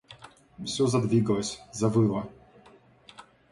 Все задвигалось, завыло;